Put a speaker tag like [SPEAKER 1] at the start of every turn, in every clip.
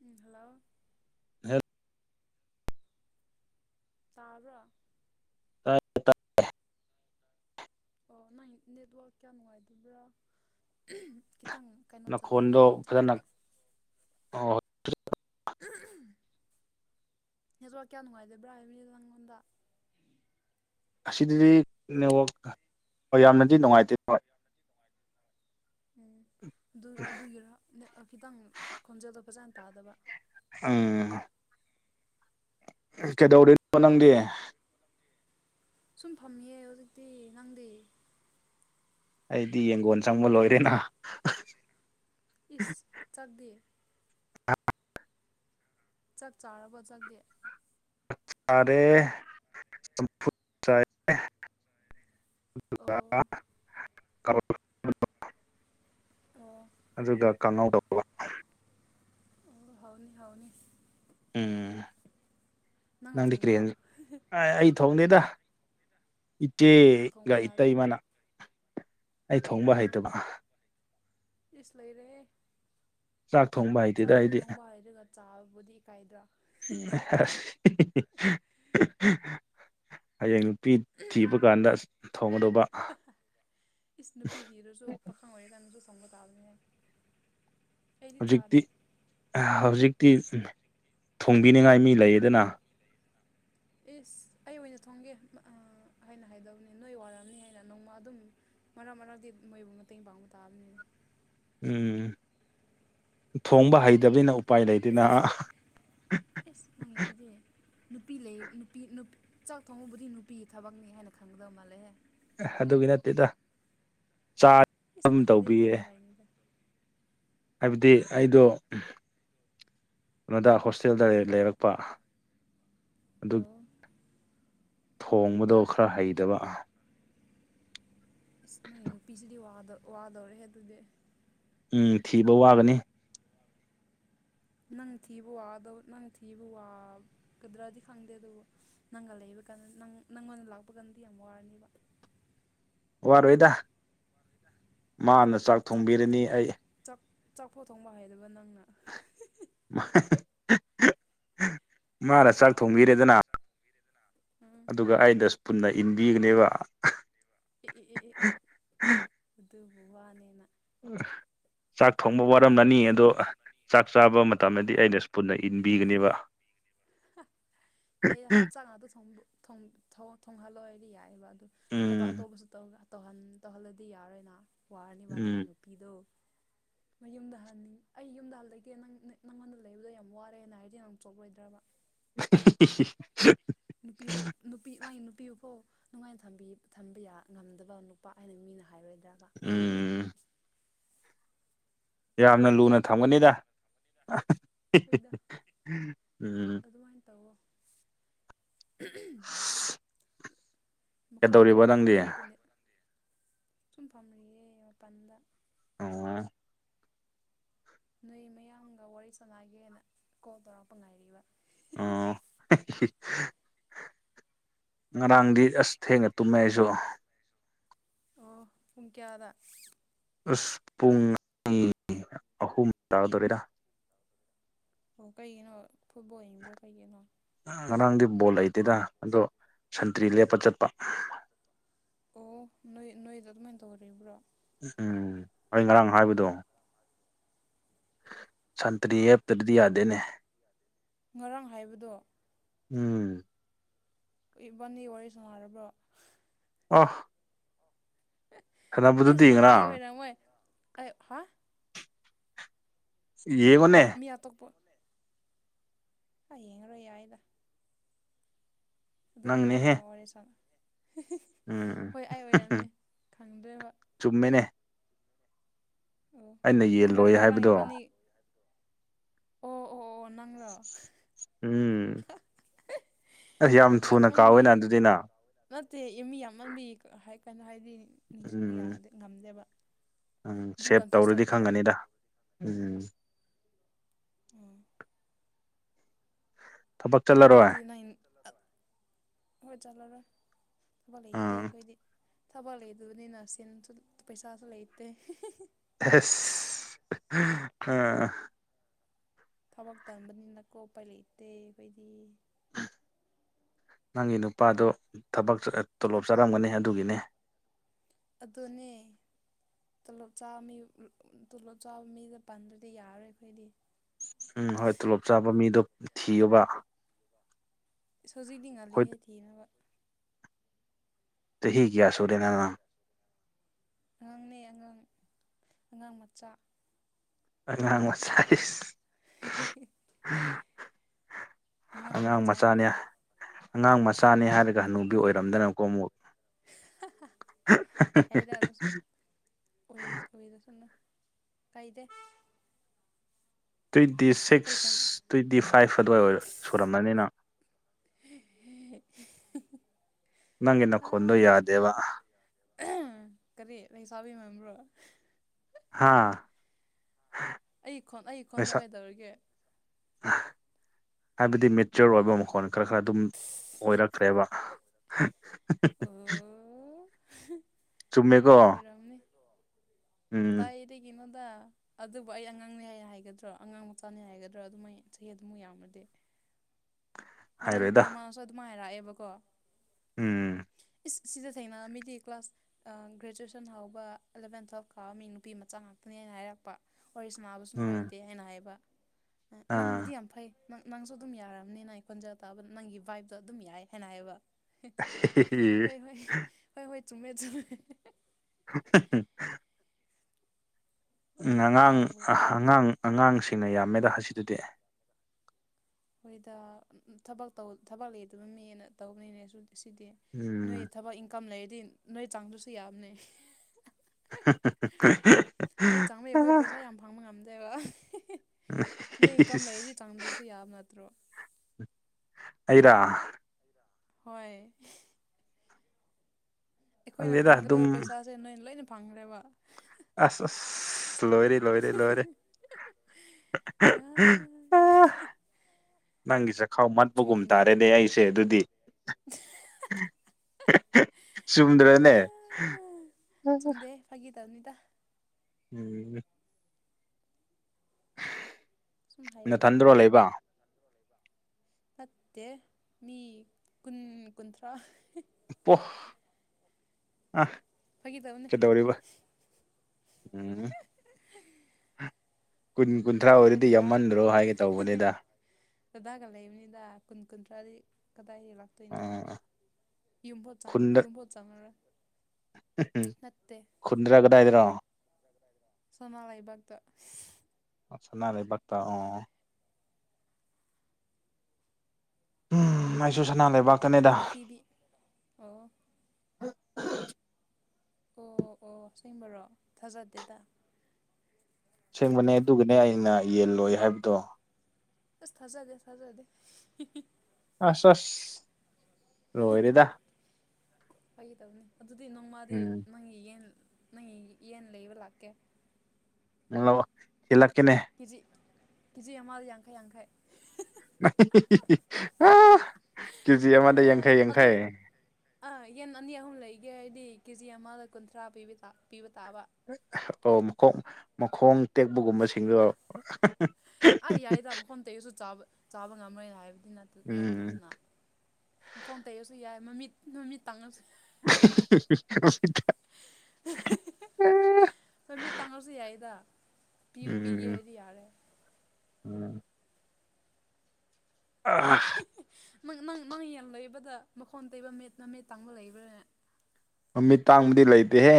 [SPEAKER 1] ꯎꯝ hello
[SPEAKER 2] [unintelligible]
[SPEAKER 1] ꯇꯥꯕ꯭ꯔ
[SPEAKER 2] [unintelligible]
[SPEAKER 1] ꯑꯣ ꯅꯪ ꯅꯦꯠꯋꯥꯛ ꯀ꯭ꯌꯥ ꯅꯨꯡꯉꯥꯏꯗꯕ꯭ꯔꯣ ꯈꯤꯇꯪ ꯀꯩꯅꯣ ꯆꯠꯄ
[SPEAKER 2] ꯅꯈꯣꯟꯗꯣ
[SPEAKER 1] ꯇ꯭ꯔꯦꯛꯀꯤꯡ ꯆꯠꯄ
[SPEAKER 2] ꯐꯖꯅ ꯑꯣ
[SPEAKER 1] ꯅꯦꯠꯋꯥ ꯀꯌꯥ ꯅꯨꯡꯉꯥꯏꯖꯕ꯭ꯔꯥ ꯍꯥꯏꯕꯅꯤ ꯅꯪꯉꯣꯟꯗ
[SPEAKER 2] ꯑꯁꯤꯗꯗꯤ ꯅꯦꯠꯋꯥꯛ ꯍꯣꯏ ꯌꯥꯝꯅꯗꯤ ꯅꯨꯡꯉꯥꯏꯇꯦ ꯍꯣꯏ
[SPEAKER 1] ꯎꯝ ꯑꯗꯨ ꯑꯗꯨꯒꯤꯔ ꯅ ꯈꯤꯇꯪ ꯈꯣꯟꯖꯦꯜꯗꯣ ꯐꯖꯟ ꯇꯥꯗꯕ
[SPEAKER 2] ꯑꯪ ꯀꯩꯗꯧꯔꯤꯅꯣ ꯅꯪꯗꯤ
[SPEAKER 1] ꯁꯨꯝ ꯐꯝꯃꯤꯌꯦ ꯍꯧꯖꯤꯛꯇꯤ ꯅꯪꯗꯤ
[SPEAKER 2] ꯑꯩꯗꯤ ꯌꯦꯡꯒꯣꯟ ꯆꯪꯕ ꯂꯣꯏꯔꯦꯅ
[SPEAKER 1] ꯏꯁ ꯆꯛꯗꯤ ꯆꯥꯛ ꯆꯥꯔꯕꯣ ꯆꯛꯗꯤ
[SPEAKER 2] ꯇꯥꯔꯦ ꯆꯝꯐꯨꯠ
[SPEAKER 1] ꯑꯣ
[SPEAKER 2] [unintelligible]
[SPEAKER 1] ꯑꯣ
[SPEAKER 2] ꯑꯗꯨꯒ ꯀꯉꯥꯎꯗꯣ
[SPEAKER 1] ꯑꯣ ꯍꯥꯎꯅꯤ ꯍꯥꯎꯅꯤ
[SPEAKER 2] ꯎꯝ
[SPEAKER 1] ꯅꯪꯅ
[SPEAKER 2] ꯅꯪꯗꯤ ꯀ꯭ꯔꯤ
[SPEAKER 1] ꯊꯣꯡꯕ꯭ꯔꯣ
[SPEAKER 2] ꯑꯦꯟ ꯑ ꯑ ꯩ ꯊꯣꯡꯗꯦꯗ
[SPEAKER 1] ꯅꯪ ꯊꯣꯡꯕ
[SPEAKER 2] ꯏꯆꯦꯒ
[SPEAKER 1] ꯌꯥꯗ꯭ꯔꯅꯦ
[SPEAKER 2] ꯏꯇꯩꯃꯅ ꯑꯩ ꯊꯣꯡꯕ
[SPEAKER 1] ꯑꯣ
[SPEAKER 2] ꯍꯩꯇꯕ
[SPEAKER 1] ꯏꯁ ꯂꯣꯏꯔꯦꯍꯦ
[SPEAKER 2] ꯆꯥꯛ ꯊꯣꯡꯕ ꯍꯩ
[SPEAKER 1] ꯆꯥꯛꯄꯨ ꯊꯣꯡꯕ ꯍꯩꯗꯒ ꯆꯥꯕꯕꯨꯗꯤ ꯏꯀꯥꯏꯗ꯭ꯔꯥ
[SPEAKER 2] [unintelligible] ꯍꯌꯦꯡ ꯅꯨꯄꯤ ꯊꯤꯕ ꯀꯥꯟꯗ ꯑꯁ ꯊꯣꯡꯒꯗꯧꯕ
[SPEAKER 1] ꯏꯁ ꯅꯨꯄꯤꯊꯤꯔꯖꯨ ꯄꯥꯈꯪ ꯑꯣꯏꯔꯤꯀꯥꯟꯗꯁꯨ ꯊꯣꯡꯕ ꯇꯥꯕꯅꯤꯅꯦ
[SPEAKER 2] ꯍꯧꯖꯤꯛꯇꯤ ꯍꯧꯖꯤꯛꯇꯤ ꯊꯣꯡꯕꯤꯅꯤꯡꯉꯥꯏ ꯃꯤ ꯂꯩꯌꯦꯗꯅ
[SPEAKER 1] ꯕꯤꯅꯤꯡꯉꯥꯏ ꯃꯤ ꯂꯩꯗꯅ ꯢꯁ ꯑꯩ ꯑꯣꯏꯅ ꯊꯣꯡꯒꯦ ꯍꯥꯏꯅ ꯍꯥꯏꯗꯧꯅꯦ ꯅꯣꯏ ꯋꯥꯔꯝꯅꯤ ꯍꯥꯏꯅ ꯅꯣꯡꯃ ꯑꯗꯨꯝ ꯃꯔꯛ ꯃꯔꯛꯗꯤ ꯃꯣꯏꯕꯨ ꯃꯇꯦꯡ ꯄꯥꯡꯕ ꯇꯥꯕꯅꯤꯅꯦ
[SPEAKER 2] ꯎꯝ ꯊꯣꯡꯕ ꯍꯩꯇꯕꯅꯤꯅ ꯎꯄꯥꯏ ꯂꯩꯇꯦꯅ
[SPEAKER 1] ꯢꯁ ꯅꯪꯒꯤꯁꯤꯗꯤ ꯅꯨꯄꯤ ꯂꯩ ꯅꯨꯄꯤ ꯅꯨ ꯆꯥꯛ ꯊꯣꯡꯉꯧꯕꯨꯗꯤ ꯅꯨꯄꯤꯒꯤ ꯊꯕꯛꯅꯤ ꯍꯥꯏꯅ ꯈꯪꯒꯗꯧ ꯃꯥꯜꯂꯦꯍꯦ
[SPEAKER 2] ꯑꯦ ꯑꯗꯨꯒꯤ ꯅꯠꯇꯦꯗ ꯆꯥꯗ
[SPEAKER 1] ꯏꯁ ꯅꯠꯇ꯭ꯔꯗꯤ ꯊꯣꯡꯕ ꯍꯩꯅꯤꯗ
[SPEAKER 2] ꯍꯥꯏꯕꯗꯤ ꯑꯩꯗꯣ ꯀꯩꯅꯣꯗ ꯍꯣꯁꯇꯦꯜꯗ ꯂꯩꯔꯛꯄ ꯑꯗꯨ
[SPEAKER 1] ꯑꯣ
[SPEAKER 2] ꯊꯣꯡꯕꯗꯣ ꯈꯔ ꯍꯩꯗꯕ
[SPEAKER 1] ꯏꯁ ꯅꯣꯏ ꯅꯨꯄꯤꯁꯤꯗꯤ ꯋꯥꯗꯧ ꯋꯥꯗꯧꯔꯦꯍꯦ ꯑꯗꯨꯗꯤ
[SPEAKER 2] ꯎꯝ ꯊꯤꯕ ꯋꯥꯒꯅꯤ
[SPEAKER 1] ꯅꯪ ꯊꯤꯕ ꯋꯥꯗꯣ ꯅꯪ ꯊꯤꯕ ꯋꯥꯒꯗ꯭ꯔꯗꯤ ꯈꯪꯗꯦ ꯑꯗꯨꯕꯨ ꯅꯪꯒ ꯂꯩꯕ ꯀꯥꯟꯗ ꯅꯪ ꯅꯪꯉꯣꯟꯗ ꯂꯥꯛꯄ ꯀꯥꯟꯗꯗꯤ ꯌꯥꯝ ꯋꯥꯔꯅꯦꯕ
[SPEAKER 2] ꯋꯥꯔꯣꯏꯗ ꯃꯥꯅ
[SPEAKER 1] ꯆꯥꯛ ꯄꯣꯛ
[SPEAKER 2] ꯊꯣꯡꯕꯤꯔꯅꯤ
[SPEAKER 1] ꯊꯣꯡ
[SPEAKER 2] ꯑꯩ
[SPEAKER 1] ꯆꯥꯛꯐꯣ ꯊꯣꯡꯕ ꯍꯥꯏꯗꯕ ꯅꯪꯅ
[SPEAKER 2] ꯃꯥꯔꯥ ꯆꯥꯛ ꯊꯣꯡꯕꯤꯔꯦꯗꯅ
[SPEAKER 1] ꯎꯝ
[SPEAKER 2] ꯑꯗꯨꯒ ꯑꯩꯅ ꯁ꯭ꯄꯨꯟꯅ ꯏꯟꯕꯤꯒꯅꯦꯕ
[SPEAKER 1] ꯢ ꯢ ꯢ ꯑꯦ ꯑꯗꯨꯕꯨ ꯋꯥꯅꯦꯅ
[SPEAKER 2] ꯆꯥꯛ ꯊꯣꯡꯕ ꯋꯥꯔꯝꯂꯅꯤ ꯑꯗꯣ ꯆꯥꯛ ꯆꯥꯕ ꯃꯇꯝꯗꯗꯤ ꯑꯩꯅ ꯁ꯭ꯄꯨꯟꯅ ꯏꯟꯕꯤꯒꯅꯤꯕ
[SPEAKER 1] [unintelligible] [unintelligible] ꯊꯣꯡ ꯊꯣꯡꯍꯜꯂꯣ ꯍꯥꯏꯗꯤ ꯌꯥꯏꯑꯦꯕ ꯑꯗꯨ ꯊꯕꯛ
[SPEAKER 2] ꯎꯝ
[SPEAKER 1] ꯑꯇꯣꯞꯄꯁꯨ ꯇꯧ ꯇꯧꯍꯟ ꯇꯧꯍꯜꯂꯗꯤ ꯌꯥꯔꯣꯏꯅ ꯋꯥꯔꯅꯤꯕ ꯅꯣꯏ
[SPEAKER 2] ꯎꯝ
[SPEAKER 1] ꯅꯨꯄꯤꯗꯣ ꯃꯌꯨꯝꯗ ꯍꯟ ꯑꯩ ꯌꯨꯝꯗ ꯍꯜ ꯂꯒꯦ ꯅꯪ ꯅꯪꯉꯣꯟꯗ ꯂꯩꯕꯗꯣ ꯌꯥꯝ ꯋꯥꯔꯦꯅ ꯍꯥꯏꯔꯗꯤ ꯅꯪ ꯆꯣꯛꯂꯣꯏꯗ꯭ꯔꯕ
[SPEAKER 2] [unintelligible]
[SPEAKER 1] ꯅꯨꯄꯤꯕꯨ ꯅꯨꯄꯤ ꯃꯥꯒꯤ ꯅꯨꯄꯤꯕꯨ ꯐꯥꯎ ꯅꯨꯡꯉꯥꯏꯅ ꯊꯝꯕꯤ ꯊꯝꯕ ꯌꯥ ꯉꯝꯗꯕ ꯅꯨꯄꯥ ꯍꯥꯏꯅ ꯃꯤꯅ ꯍꯥꯏꯔꯣꯏꯗ꯭ꯔꯕ
[SPEAKER 2] ꯎꯝ ꯌꯥꯝꯅ ꯂꯨꯅ ꯊꯝꯒꯅꯤꯗ
[SPEAKER 1] ꯍꯣꯏꯗ
[SPEAKER 2] ꯎꯝ
[SPEAKER 1] ꯑꯗꯨꯃꯥꯏꯅ ꯇꯧꯋꯣ [unintelligible] ꯃꯈꯣꯡꯕꯨ
[SPEAKER 2] ꯀꯩꯗꯧꯔꯤꯕ ꯅꯪꯗꯤ
[SPEAKER 1] ꯂꯩꯕꯥꯛꯇꯨ ꯅꯦꯠ ꯁꯨꯝ ꯐꯝꯔꯤꯌꯦ ꯃꯄꯥꯟꯗ
[SPEAKER 2] ꯑꯣ
[SPEAKER 1] ꯅꯣꯏ ꯃꯌꯥꯡꯒ ꯋꯥꯔꯤ ꯁꯥꯟꯅꯒꯦꯅ ꯀꯣꯜ ꯇꯧꯔꯛꯄ ꯉꯥꯏꯔꯤꯕ
[SPEAKER 2] ꯑꯣ [unintelligible] ꯉꯔꯥꯡꯗꯤ ꯑꯁ ꯊꯦꯡꯏ ꯇꯨꯝꯃꯦ ꯑꯩꯁꯨ
[SPEAKER 1] ꯑꯣ ꯄꯨꯡ ꯀ꯭ꯌꯥꯗ
[SPEAKER 2] ꯑꯁ ꯄꯨꯡ ꯑꯅꯤ ꯑꯍꯨꯝ ꯇꯥꯒꯗꯧꯔꯦꯗ
[SPEAKER 1] ꯑꯣ ꯀꯩꯒꯤꯅꯣ ꯐꯨꯠꯕꯣꯜ ꯌꯦꯡꯕ꯭ꯔꯣ ꯀꯩꯒꯤꯅꯣ
[SPEAKER 2] ꯉꯔꯥꯡꯗꯤ ꯕꯣꯜ ꯂꯩꯇꯦꯗ ꯑꯗꯣ ꯁꯟꯇ꯭ꯔꯤ ꯂꯦꯞꯄ ꯆꯠꯄ
[SPEAKER 1] ꯑꯣ ꯅꯣꯏ ꯅꯣꯏꯗ ꯑꯗꯨꯃꯥꯏꯅ ꯇꯧꯔꯤꯕ꯭ꯔꯣ
[SPEAKER 2] ꯎꯝ ꯑꯩ ꯉꯔꯥꯡ ꯍꯥꯏꯕꯗꯣ ꯁꯟꯇꯔꯤ ꯌꯦꯞꯇꯕꯗꯤ ꯌꯥꯗꯦꯅꯦ
[SPEAKER 1] ꯉꯔꯥꯡ ꯍꯥꯏꯕꯗꯣ
[SPEAKER 2] ꯎꯝ
[SPEAKER 1] ꯏꯕꯥꯟꯅꯤ ꯋꯥꯔꯤ ꯁꯥꯅꯔꯕ꯭ꯔꯣ
[SPEAKER 2] ꯑꯣ
[SPEAKER 1] ꯏꯁ
[SPEAKER 2] ꯁꯥꯟꯅꯕꯗꯨꯗꯤ
[SPEAKER 1] ꯅꯪ ꯑꯩ
[SPEAKER 2] ꯉꯔꯥꯡ
[SPEAKER 1] ꯑꯣꯏꯔꯝꯃꯣꯏ ꯑꯩ ꯍꯥ
[SPEAKER 2] ꯌꯦꯡꯉꯣꯅꯦ
[SPEAKER 1] ꯌꯥꯇꯣꯛꯄ ꯑꯥ ꯌꯦꯡꯉꯔꯣꯏ ꯌꯥꯏꯌꯦꯗ ꯑꯗꯨꯝ
[SPEAKER 2] ꯅꯪꯅꯦꯍꯦ
[SPEAKER 1] ꯍꯥꯏꯔꯛꯑꯣ ꯋꯥꯔꯤꯁꯥ ꯍꯤꯍꯤ
[SPEAKER 2] ꯎꯝ
[SPEAKER 1] ꯍꯣꯏ ꯑꯩ ꯑꯣꯏꯔꯝꯅꯤ ꯈꯪꯗ꯭ꯔꯦꯕ
[SPEAKER 2] ꯆꯨꯝꯃꯦꯅꯦ
[SPEAKER 1] ꯑꯣ
[SPEAKER 2] ꯑꯩꯅ ꯌꯦꯜ ꯂꯣꯏ
[SPEAKER 1] ꯉꯔꯥꯡ
[SPEAKER 2] ꯍꯥꯏꯕꯗꯣ
[SPEAKER 1] ꯏꯕꯥꯅꯤ ꯑꯣ ꯑꯣ ꯑꯣ ꯅꯪꯔꯣ
[SPEAKER 2] ꯎꯝ ꯑꯦ ꯌꯥꯝ ꯊꯨꯅ ꯀꯥꯎꯋꯦꯅ ꯑꯗꯨꯗꯤ ꯅꯪ
[SPEAKER 1] ꯅꯠꯇꯦ ꯃꯤ ꯌꯥꯝꯃꯟꯕꯩ ꯍꯥꯢ ꯀꯩꯅꯣ ꯍꯥꯏꯗꯤ ꯅꯤꯡꯁꯤꯡꯕ
[SPEAKER 2] ꯎꯝ
[SPEAKER 1] ꯌꯥꯗꯦ ꯉꯝꯗꯦꯕ
[SPEAKER 2] ꯎꯝ
[SPEAKER 1] ꯑꯗꯨꯝ
[SPEAKER 2] ꯁꯦꯞ
[SPEAKER 1] ꯀꯟꯐ꯭ꯌꯨꯁ
[SPEAKER 2] ꯇꯧꯔꯗꯤ
[SPEAKER 1] ꯆꯠꯄꯗꯣ
[SPEAKER 2] ꯈꯪꯒꯅꯤꯗ ꯎꯝ
[SPEAKER 1] ꯎꯝ
[SPEAKER 2] ꯊꯕꯛ ꯆꯠꯂꯔꯣꯏ
[SPEAKER 1] ꯑꯗꯨꯗꯤ ꯅꯪ ꯑꯠ ꯍꯣꯏ ꯆꯠꯂꯔꯣꯏ ꯊꯕꯛ ꯂꯩꯇꯦ
[SPEAKER 2] ꯎꯝ
[SPEAKER 1] ꯑꯩꯈꯣꯏꯗꯤ ꯊꯕꯛ ꯂꯩꯗꯕꯅꯤꯅ ꯁꯤꯟꯁꯨ ꯄꯩꯁꯥꯁꯨ ꯂꯩꯇꯦ
[SPEAKER 2] ꯑꯦꯁ ꯍꯦꯍꯦ ꯑꯥ
[SPEAKER 1] ꯊꯕꯛ ꯇꯟꯕꯅꯤꯅꯀꯣ ꯎꯄꯥꯏ ꯂꯩꯇꯦ ꯑꯩꯈꯣꯏꯗꯤ
[SPEAKER 2] ꯅꯪꯒꯤ ꯅꯨꯄꯥꯗꯣ ꯊꯕꯛ ꯇꯣꯂꯣꯞ ꯆꯥꯔꯝꯒꯅꯤ ꯑꯗꯨꯒꯤꯅꯦ
[SPEAKER 1] ꯑꯗꯨꯅꯦ ꯇꯣꯂꯣꯞ ꯆꯥꯕ ꯃꯤ ꯇꯣꯂꯣꯞ ꯆꯥꯕ ꯃꯤꯗ ꯄꯥꯟꯗ꯭ꯔꯗꯤ ꯌꯥꯔꯔꯣꯏ ꯑꯩꯈꯣꯏꯗꯤ
[SPEAKER 2] ꯎꯝ ꯍꯣꯏ ꯇꯣꯂꯣꯞ ꯆꯥꯕ ꯃꯤꯗꯣ ꯊꯤꯌꯨꯕ
[SPEAKER 1] ꯏꯁ ꯍꯧꯖꯤꯛꯇꯤ
[SPEAKER 2] ꯑꯩꯈꯣꯏ
[SPEAKER 1] ꯉꯜꯂꯤꯍꯦ ꯊꯤꯅꯕ
[SPEAKER 2] ꯆꯍꯤ ꯀꯌꯥ ꯁꯨꯔꯦ ꯅꯪ
[SPEAKER 1] ꯑꯉꯥꯡꯅꯦ ꯑꯉꯥꯡ ꯑꯉꯥꯡ ꯃꯆꯥ
[SPEAKER 2] ꯑꯉꯥꯡ ꯃꯆꯥ ꯢꯁ ꯑꯉꯥꯡ ꯃꯆꯥꯅꯦ ꯑꯉꯥꯡ ꯃꯆꯥꯅꯦ ꯍꯥꯏꯔꯒ ꯍꯅꯨꯕꯤ ꯑꯣꯏꯔꯝꯗꯅꯀꯣ ꯑꯃꯨꯛ [unintelligible]
[SPEAKER 1] ꯑꯣꯏ ꯑꯣꯏꯔꯁꯅꯨ ꯀꯥꯏꯗꯦ
[SPEAKER 2] ꯇ꯭ꯋꯦꯟꯇꯤ
[SPEAKER 1] ꯑꯩ
[SPEAKER 2] ꯁꯤꯛꯁ
[SPEAKER 1] ꯈꯣꯟ
[SPEAKER 2] ꯇ꯭ꯋꯦꯟꯇꯤ ꯐꯥꯏꯚ ꯑꯗꯨꯋꯥꯏ ꯑꯣꯏꯔ ꯁꯨꯔꯝꯃꯅꯤ ꯅꯪ
[SPEAKER 1] [unintelligible]
[SPEAKER 2] ꯅꯪꯒꯤ ꯅꯈꯣꯟꯗꯣ ꯌꯥꯗꯦꯕ
[SPEAKER 1] ꯑꯍꯝ ꯀꯔꯤ ꯂꯩꯁꯥꯕꯤ ꯃꯥꯟꯕ꯭ꯔꯣ
[SPEAKER 2] ꯍꯥꯥ
[SPEAKER 1] ꯑꯩꯒꯤ ꯈꯣꯟ ꯑꯩ ꯈꯣꯟꯗꯣ ꯀꯗꯧꯔꯤꯒꯦ
[SPEAKER 2] ꯍ ꯍꯥꯏꯕꯗꯤ ꯃꯦꯆꯤꯌꯣꯔ ꯑꯣꯏꯕ ꯃꯈꯣꯟ ꯈꯔ ꯈꯔ ꯑꯗꯨꯝ ꯑꯣꯏꯔꯛꯇ꯭ꯔꯦꯕ
[SPEAKER 1] ꯑꯣ
[SPEAKER 2] ꯆꯨꯝꯃꯦ
[SPEAKER 1] ꯑꯣꯏꯔꯝꯅꯤ
[SPEAKER 2] ꯎꯝ
[SPEAKER 1] ꯀꯗꯥꯏꯗꯒꯤꯅꯣꯗ ꯑꯗꯨꯕꯨ ꯑꯩ ꯑꯉꯥꯡꯅꯤ ꯍꯥ ꯍꯥꯏꯒꯗ꯭ꯔꯣ ꯑꯉꯥꯡ ꯃꯆꯥꯅꯤ ꯍꯥꯏꯒꯗ꯭ꯔꯥ ꯑꯗꯨꯃꯥꯏ ꯆꯍꯤ ꯑꯗꯨꯃꯨꯛ ꯌꯥꯝꯔꯗꯤ ꯉꯔꯥꯡ
[SPEAKER 2] ꯍꯥꯏꯔꯣꯏꯗ
[SPEAKER 1] ꯅꯨꯄꯤ ꯑꯃꯁꯨ ꯑꯗꯨꯃꯥꯢ ꯔꯥꯛꯑꯦꯕꯀꯣ
[SPEAKER 2] ꯎꯝ
[SPEAKER 1] ꯏꯁ ꯁꯤꯗ ꯊꯦꯡꯅ ꯃꯤꯗꯤ ꯀ꯭ꯂꯥꯁ ꯑ ꯒ꯭ꯔꯦꯖꯨꯑꯦꯁꯟ ꯍꯥꯎꯕ ꯑꯦꯂꯕꯦꯟ ꯇꯨꯋꯦꯜꯞ ꯀꯥꯕ ꯃꯤ ꯅꯨꯄꯤ ꯃꯆꯥ ꯉꯥꯛꯇꯅꯦꯅ ꯍꯥꯏꯔꯛꯄ ꯋꯥꯔꯤ ꯁꯥꯅꯕꯁꯨ
[SPEAKER 2] ꯎꯝ
[SPEAKER 1] ꯅꯨꯡꯉꯥꯏꯇꯦ ꯍꯥꯏꯅ ꯍꯥꯏꯕ ꯑ ꯅꯪꯕꯨꯗꯤ
[SPEAKER 2] ꯑꯥ
[SPEAKER 1] ꯌꯥꯝ ꯐꯩ ꯅꯪ ꯅꯪꯁꯨ ꯑꯗꯨꯝ ꯌꯥꯔꯝꯅꯤ ꯅꯪꯒꯤ ꯈꯣꯟꯖꯦꯜ ꯇꯥꯕ ꯅꯪꯒꯤ ꯚꯥꯏꯚꯇꯣ ꯑꯗꯨꯝ ꯌꯥꯏ ꯍꯥꯏꯅ ꯍꯥꯏꯕ ꯍꯦ ꯍꯣꯏ ꯍꯣꯏ ꯍꯣꯏ ꯍꯣꯏ ꯆꯨꯝꯃꯦ ꯑꯗꯨ
[SPEAKER 2] [unintelligible] ꯑꯉꯥꯡ
[SPEAKER 1] ꯍꯥꯏꯔꯛꯄꯒ
[SPEAKER 2] ꯑꯉꯥꯡ ꯑꯉꯥꯡꯁꯤꯡꯅ ꯌꯥꯝꯃꯦꯗ ꯑꯁꯤꯗꯗꯤ
[SPEAKER 1] ꯍꯣꯏꯗ ꯎꯝ ꯎꯝ ꯊꯕꯛ ꯇꯧ ꯊꯕꯛ ꯂꯩꯗꯕ ꯃꯤꯅ ꯇꯧꯕꯅꯤꯅꯦ ꯁꯨ ꯁꯤꯗꯤ ꯅꯣꯏ
[SPEAKER 2] ꯎꯝ
[SPEAKER 1] ꯊꯕꯛ ꯏꯟꯀꯝ ꯂꯩꯔꯗꯤ ꯅꯣꯏ ꯆꯥꯡꯗ꯭ꯔꯁꯨ ꯌꯥꯕꯅꯦ
[SPEAKER 2] [unintelligible]
[SPEAKER 1] ꯅꯣꯏ ꯆꯪꯕꯩ ꯑꯩꯈꯣꯏ ꯄꯩꯁꯥ ꯌꯥꯝ ꯐꯪꯕ ꯉꯝꯗꯦꯕ ꯅꯣꯏ ꯏꯟꯀꯝ ꯂꯩꯔ ꯆꯥꯡꯗ꯭ꯔꯁꯨ ꯌꯥꯕ ꯅꯠꯇ꯭ꯔꯣ
[SPEAKER 2] ꯑꯩꯔꯥ
[SPEAKER 1] ꯍꯣꯏ ꯑꯩꯈꯣꯏꯅ
[SPEAKER 2] ꯈꯪꯗꯦꯗ ꯑꯗꯨꯝ
[SPEAKER 1] ꯐꯪꯒꯗꯕ ꯄꯩꯁꯥꯁꯦ ꯅꯣꯏꯅ ꯂꯣꯏꯅ ꯐꯪꯈ꯭ꯔꯦꯕ
[SPEAKER 2] ꯑꯁ ꯑꯁ ꯂꯣꯏꯔꯦ ꯂꯣꯏꯔꯦ ꯂꯣꯏꯔꯦ
[SPEAKER 1] ꯑꯥ
[SPEAKER 2] ꯑꯥ
[SPEAKER 1] [unintelligible]
[SPEAKER 2] ꯅꯪꯒꯤ ꯆꯈꯥꯎ ꯃꯠꯄꯒꯨꯝ ꯇꯥꯔꯦꯅꯦ ꯑꯩꯁꯦ ꯑꯗꯨꯗꯤ ꯆꯨꯝꯗ꯭ꯔꯅꯦ
[SPEAKER 1] ꯐꯒꯤ ꯇꯧꯅꯤꯗ
[SPEAKER 2] ꯎꯝ
[SPEAKER 1] ꯁꯨꯝ ꯍꯥꯏꯕꯅꯤ
[SPEAKER 2] ꯅꯊꯟꯗꯔꯣ ꯂꯩꯕ
[SPEAKER 1] ꯅꯠꯇꯦ ꯃꯤ ꯀꯨꯟ ꯀꯨꯟꯊ꯭ꯔꯥ
[SPEAKER 2] ꯄꯣ ꯑ
[SPEAKER 1] ꯐꯥꯒꯤ ꯇꯧꯕꯅꯤ
[SPEAKER 2] ꯀꯗꯧꯔꯤꯕ ꯎꯝ ꯀꯨꯟ ꯀꯨꯟꯊ꯭ꯔꯥ
[SPEAKER 1] ꯑꯩꯈꯣꯏ
[SPEAKER 2] ꯑꯣꯏꯔꯗꯤ
[SPEAKER 1] ꯗꯗꯥ
[SPEAKER 2] ꯌꯥꯝꯃꯟꯗ꯭ꯔꯣ ꯍꯥꯏꯒꯦ ꯇꯧꯕꯅꯤꯗ
[SPEAKER 1] ꯗꯥꯗꯥꯒ ꯂꯩꯕꯅꯤꯗ ꯀꯨꯟ ꯀꯨꯟꯊ꯭ꯔꯥꯗꯤ ꯀꯗꯥꯏ ꯍꯦꯜꯂꯣ
[SPEAKER 2] ꯑ
[SPEAKER 1] ꯀꯩꯅꯣ ꯌꯨꯝꯕꯣ ꯆꯥꯡ ꯌꯨꯝꯕꯣ ꯆꯪꯉꯔꯣꯏ ꯅꯠꯇꯦ
[SPEAKER 2] ꯈꯨꯨꯟꯗ꯭ꯔꯥ ꯀꯗꯥꯏꯗꯔꯣ
[SPEAKER 1] ꯁꯥꯅꯥ ꯂꯩꯕꯥꯛꯇ
[SPEAKER 2] ꯁꯅꯥ ꯂꯩꯕꯥꯛꯇ ꯑꯣ ꯑꯣ ꯎꯝ ꯑꯩꯁꯨ ꯁꯅꯥ ꯂꯩꯕꯥꯛꯇꯅꯦꯗ
[SPEAKER 1] ꯄ꯭ꯔꯤꯊꯤꯕꯤ ꯑꯣ ꯑꯣ ꯑꯣ ꯁꯦꯡꯕꯔꯣ ꯊꯥꯖꯗꯦꯗ
[SPEAKER 2] ꯁꯦꯡꯕꯅꯦ ꯑꯗꯨꯒꯅꯦ ꯑꯩꯅ ꯌꯦꯜꯂꯣꯏ ꯍꯥꯏꯕꯗꯣ
[SPEAKER 1] ꯑꯁ ꯊꯥꯖꯗꯦ ꯊꯥꯖꯗꯦ ꯍꯤ ꯍꯤ
[SPEAKER 2] ꯑꯁ ꯑꯁ
[SPEAKER 1] ꯍꯤ ꯍꯤ
[SPEAKER 2] ꯂꯣꯏꯔꯦꯗ
[SPEAKER 1] ꯐꯥꯒꯤꯇꯧꯕꯅꯤ ꯑꯗꯨꯗꯤ ꯅꯣꯡꯃꯗꯤ
[SPEAKER 2] ꯎꯝ
[SPEAKER 1] ꯅꯪꯒꯤ ꯌꯦꯟ ꯅꯪꯒꯤ ꯌꯦꯟ ꯂꯩꯕ ꯂꯥꯛꯀꯦ
[SPEAKER 2] ꯂꯨꯋꯣ ꯊꯤꯜꯂꯛꯀꯦꯅꯦ
[SPEAKER 1] ꯀꯤꯖꯤ ꯀꯤꯖꯤ ꯑꯃꯗ ꯌꯥꯡꯈꯩ ꯌꯥꯡꯈꯩ
[SPEAKER 2] [unintelligible] ꯑꯥ ꯀꯦꯖꯤ ꯑꯃꯗ
[SPEAKER 1] ꯑꯦ
[SPEAKER 2] ꯌꯥꯡꯈꯩ
[SPEAKER 1] ꯑꯗꯨ
[SPEAKER 2] ꯌꯥꯡꯈꯩ
[SPEAKER 1] ꯑꯥ ꯌꯦꯟ ꯑꯅꯤ ꯑꯍꯨꯝ ꯂꯩꯒꯦ ꯍꯥꯏꯗꯤ ꯀꯦꯖꯤ ꯑꯃꯗ ꯀꯨꯟꯊ꯭ꯔꯥ ꯄꯤꯕꯤ ꯄꯤꯕ ꯇꯥꯕ
[SPEAKER 2] ꯑꯣ ꯃꯈꯣꯡ ꯃꯈꯣꯡ ꯇꯦꯛꯄꯒꯨꯝꯕꯁꯤꯡꯗꯨ
[SPEAKER 1] ꯐꯣꯟ ꯇꯦꯛꯑꯁꯨ ꯆꯥꯕ ꯆꯥꯕ ꯉꯝꯃꯣꯏꯅ ꯍꯥꯏꯕꯗꯤ ꯅꯠꯇꯦ
[SPEAKER 2] ꯎꯝ
[SPEAKER 1] ꯅꯠꯇꯦꯗꯅ ꯃꯈꯣꯡ ꯇꯦꯛꯑꯁꯨ ꯌꯥꯏ ꯃꯃꯤꯠ ꯃꯃꯤꯠ ꯇꯥꯡꯉꯁꯨ ꯌꯥꯏ
[SPEAKER 2] [unintelligible]
[SPEAKER 1] ꯑꯦ ꯍꯦꯍꯦꯍꯦ ꯃꯥꯃꯤꯠ ꯇꯥꯡꯉꯁꯨ ꯌꯥꯏꯌꯦꯗ ꯄꯤꯕꯨ ꯄꯤꯒꯦ
[SPEAKER 2] ꯎꯝ
[SPEAKER 1] ꯍꯥꯏꯗꯤ ꯌꯥꯔꯦ
[SPEAKER 2] ꯎꯝ ꯑꯥ
[SPEAKER 1] ꯅꯪ ꯅꯪ ꯅꯪ ꯌꯦꯟ ꯂꯩꯕꯗ ꯃꯈꯣꯟ ꯇꯦꯛꯄ ꯃꯃꯤꯠ ꯇꯥꯡꯕ ꯂꯩꯕ꯭ꯔꯥꯅꯦ
[SPEAKER 2] ꯃꯃꯤꯠ ꯇꯥꯡꯕꯗꯤ ꯂꯩꯇꯦꯍꯦ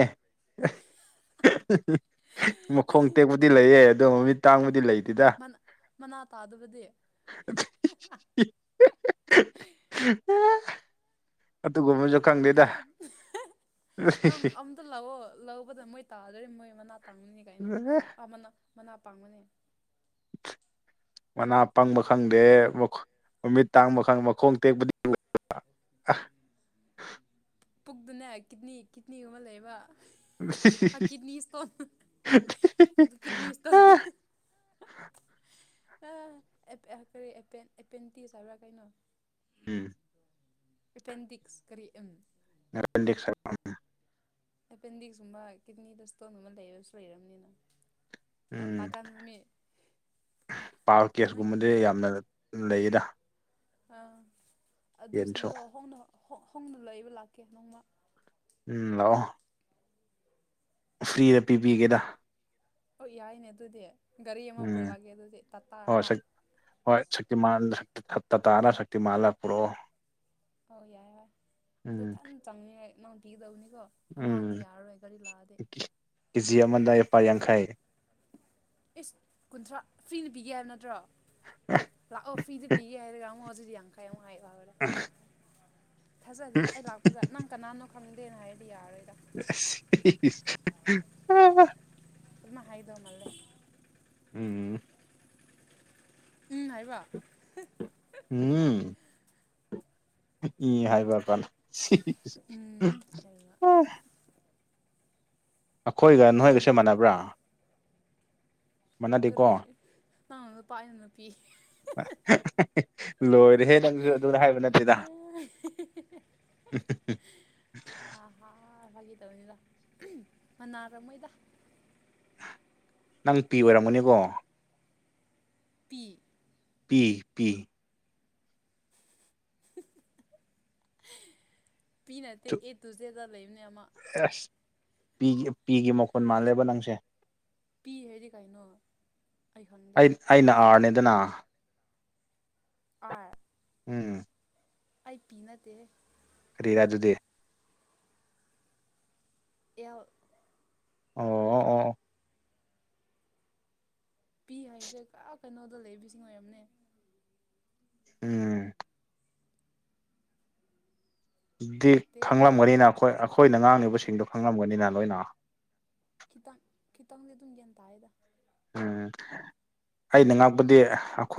[SPEAKER 2] ꯃꯈꯣꯡ ꯇꯦꯛꯄꯗꯤ ꯂꯩꯌꯦ ꯑꯗꯣ ꯃꯃꯤꯠ ꯇꯥꯡꯕꯗꯤ ꯂꯩꯇꯦꯗ
[SPEAKER 1] ꯃꯅꯥ ꯃꯅꯥ ꯇꯥꯗꯕꯗꯤ
[SPEAKER 2] [unintelligible] ꯑꯗꯨꯒꯨꯝꯕꯖꯨ ꯈꯪꯗꯦꯗ
[SPEAKER 1] ꯅꯪ ꯑꯝꯇ ꯂꯥꯎꯋꯣ ꯂꯧꯕꯗ ꯃꯣꯏ ꯇꯥꯗꯔꯗꯤ ꯃꯣꯏ ꯃꯅꯥ ꯇꯥꯡꯅꯤ ꯀꯩꯅꯣ ꯑꯥ ꯃꯅꯥ ꯃꯅꯥ ꯄꯪꯕꯅꯦ
[SPEAKER 2] ꯃꯅꯥ ꯄꯪꯕ ꯈꯪꯗꯦ ꯃꯈꯨ ꯃꯃꯤꯠ ꯇꯥꯡꯕ ꯈꯪ ꯃꯈꯣꯡ ꯇꯦꯛꯄꯗꯤ
[SPEAKER 1] ꯄꯨꯛꯗꯅꯦ ꯀꯤꯠꯅꯤ ꯀꯤꯠꯅꯤꯒꯨꯝꯕ ꯂꯩꯕ ꯑꯥ ꯀꯤꯠꯅꯤ ꯁꯇꯣꯟ ꯄꯨꯛꯇ ꯀꯤꯠꯅꯤ ꯁꯇꯣꯟ ꯑꯥ ꯑꯦꯞ ꯑꯦꯞ ꯀꯔꯤ ꯑꯦꯟꯄꯦꯟ ꯑꯦꯄꯦꯟꯇꯤꯁ ꯍꯥꯢꯕ꯭ꯔꯥ ꯀꯩꯅꯣ
[SPEAKER 2] ꯎꯝ
[SPEAKER 1] ꯑꯦꯄꯦꯟꯗꯤꯛꯁ ꯀꯔꯤ ꯎꯝ
[SPEAKER 2] [unintelligible] ꯑꯥ ꯎꯝ
[SPEAKER 1] ꯑꯦꯄꯦꯟꯗꯤꯛꯁꯒꯨꯝꯕ ꯀꯤꯠꯅꯤꯗ ꯁꯇꯣꯟꯒꯨꯝꯕ ꯂꯩꯔꯁꯨ ꯂꯩꯔꯝꯅꯤꯅ ꯌꯥꯝ
[SPEAKER 2] ꯎꯝ
[SPEAKER 1] ꯅꯥꯒꯟꯕ ꯃꯤ
[SPEAKER 2] ꯄꯥꯢꯜ
[SPEAKER 1] ꯅꯪꯒꯤ
[SPEAKER 2] ꯀꯦꯁꯀꯨꯝꯕꯗꯤ
[SPEAKER 1] ꯌꯦꯟ
[SPEAKER 2] ꯌꯥꯝꯅ ꯂꯩꯌꯦꯗ
[SPEAKER 1] ꯑꯥ
[SPEAKER 2] ꯌꯦꯟꯁꯨ
[SPEAKER 1] ꯑꯗꯨꯁꯤꯡꯗꯣ ꯍꯣꯡꯅ ꯍꯣꯡ ꯍꯣꯡꯅ ꯂꯩꯕ ꯂꯥꯛꯀꯦ ꯅꯣꯡꯃ
[SPEAKER 2] ꯎꯝ ꯂꯥꯛꯑꯣ ꯐ꯭ꯔꯤꯗ ꯄꯤꯕꯤꯒꯦꯗ
[SPEAKER 1] ꯑꯣ ꯌꯥꯏꯅꯦ ꯑꯗꯨꯗꯤ ꯒꯥꯔꯤ ꯑꯃ
[SPEAKER 2] ꯎꯝ
[SPEAKER 1] ꯄꯨꯜꯂꯥꯛꯀꯦ ꯑꯗꯨꯗꯤ ꯇꯥꯇꯥ ꯑꯃ
[SPEAKER 2] ꯍꯣꯏ ꯍꯣꯏ ꯁꯛꯇꯤꯃꯥꯟ ꯇꯇꯥꯔ ꯁꯛꯇꯤꯃꯥꯜꯂ ꯄꯨꯔꯛꯑꯣ
[SPEAKER 1] ꯑꯧ ꯌꯥꯏꯌꯦ ꯍꯣꯢ ꯑꯗꯨ
[SPEAKER 2] ꯎꯝ
[SPEAKER 1] ꯊꯟ ꯆꯪꯅꯤꯉꯥꯢ ꯅꯪꯅ ꯄꯤꯒꯗꯧꯅꯤꯀꯣ ꯑꯃ ꯑꯅꯤ
[SPEAKER 2] ꯎꯝ
[SPEAKER 1] ꯌꯥꯔꯔꯣꯏ ꯒꯥꯔꯤ ꯂꯥꯛꯑꯗꯤ
[SPEAKER 2] ꯀꯦꯖꯤ ꯑꯃꯗ ꯂꯨꯄꯥ ꯌꯥꯡꯈꯩ
[SPEAKER 1] ꯢꯁ ꯀꯨꯟꯊ꯭ꯔꯥ ꯐ꯭ꯔꯤꯗ ꯄꯤꯒꯦ ꯍꯥꯏꯕ ꯅꯠꯇ꯭ꯔꯣ ꯂꯥꯛꯑꯣ ꯐ꯭ꯔꯤꯗ ꯄꯤꯒꯦ ꯍꯥꯏꯔꯒ ꯑꯃꯨꯛ ꯍꯧꯖꯤꯛꯗꯤ ꯌꯥꯡꯈꯩ ꯑꯃꯨꯛ ꯍꯥꯏ [unintelligible] ꯅꯪ ꯊꯥꯖꯗꯦꯗ ꯑꯩ ꯂꯥꯛꯄꯒ ꯅꯪ ꯀꯅꯥꯅꯣ ꯈꯪꯗꯦꯅ ꯍꯥꯏꯔꯗꯤ ꯌꯥꯔꯣꯏꯗ
[SPEAKER 2] [unintelligible]
[SPEAKER 1] ꯑꯗꯨꯃꯥꯏ ꯍꯥꯏꯗꯧ ꯃꯥꯜꯂꯦ
[SPEAKER 2] ꯎꯝ
[SPEAKER 1] ꯎꯝ ꯍꯥꯏꯕ꯭ꯔꯥ
[SPEAKER 2] ꯑꯝ ꯏ ꯍꯥꯏꯕ ꯀꯣꯅꯣ ꯁꯤ ꯍꯤꯍꯤ
[SPEAKER 1] ꯎꯝ [unintelligible]
[SPEAKER 2] ꯑꯩꯈꯣꯏꯒ
[SPEAKER 1] ꯌꯦꯟ
[SPEAKER 2] ꯅꯣꯏꯒꯁꯦ ꯃꯥꯟꯅꯕ꯭ꯔꯥ ꯃꯥꯟꯅꯗꯦꯀꯣ
[SPEAKER 1] ꯀꯔꯤ ꯅꯪꯅ ꯅꯨꯄꯥ ꯑꯩꯅ ꯅꯨꯄꯤ
[SPEAKER 2] ꯂꯣꯏꯔꯦꯍꯦ ꯅꯪꯖꯨ ꯑꯗꯨꯗ ꯍꯥꯏꯕ ꯅꯠꯇꯦꯗ
[SPEAKER 1] [unintelligible] [unintelligible] ꯑ ꯍ ꯐꯥꯒꯤ ꯇꯧꯕꯅꯤꯗ ꯃꯅꯥꯔꯝꯃꯣꯏꯗ
[SPEAKER 2] ꯅꯪ ꯄꯤ ꯑꯣꯏꯔꯝꯒꯅꯤꯀꯣ
[SPEAKER 1] ꯄꯤ
[SPEAKER 2] ꯄꯤ ꯄꯤ [inaudible]
[SPEAKER 1] ꯄꯤ ꯅꯠꯇꯦ ꯑꯦ ꯇꯨ ꯖꯦꯠꯗ ꯂꯩꯕꯅꯦ ꯑꯃꯥ
[SPEAKER 2] ꯁꯦꯁ ꯄꯤꯒꯤ ꯄꯤꯒꯤ ꯃꯈꯣꯟ ꯃꯥꯜꯂꯦꯕ ꯅꯪꯁꯦ
[SPEAKER 1] ꯄꯤ ꯍꯥꯏꯗꯤ ꯀꯩꯅꯣ ꯑꯩ ꯈꯪꯗꯦ
[SPEAKER 2] ꯑꯩꯅ ꯑꯥꯔꯅꯦꯗꯅ
[SPEAKER 1] ꯑꯥꯔ
[SPEAKER 2] ꯎꯝ
[SPEAKER 1] ꯑꯩ ꯄꯤ ꯅꯠꯇꯦꯍꯦ
[SPEAKER 2] ꯀꯔꯤꯔꯥ ꯑꯗꯨꯗꯤ
[SPEAKER 1] ꯑꯦꯜ
[SPEAKER 2] ꯑꯣ ꯑꯣ ꯑꯣ
[SPEAKER 1] ꯄꯤ ꯍꯥꯏꯖꯦ ꯀ ꯀꯩꯅꯣꯗ ꯂꯩꯕꯤꯁꯤꯡ ꯑꯣꯏꯔꯝꯅꯦ
[SPEAKER 2] ꯎꯝ ꯗꯤ
[SPEAKER 1] ꯅꯠꯇꯦ ꯃꯣꯏ
[SPEAKER 2] ꯈꯪꯂꯝꯒꯅꯤꯅ ꯑꯩꯈꯣꯏ ꯑꯩꯈꯣꯏꯅ ꯉꯥꯡꯂꯤꯕꯁꯤꯡꯗꯣ ꯈꯪꯂꯝꯒꯅꯤꯅ ꯂꯣꯏꯅ
[SPEAKER 1] ꯈꯤꯇꯪ ꯈꯤꯇꯪꯗꯤ ꯑꯗꯨꯝ ꯒꯌ꯭ꯥꯟ ꯇꯥꯏꯗ
[SPEAKER 2] ꯎꯝ ꯑꯩꯅ ꯉꯥꯛꯄꯗꯤ ꯑꯩꯈꯣꯏ